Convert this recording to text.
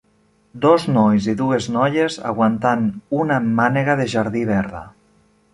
Dos nois i dues noies aguantant una mànega de jardí verda.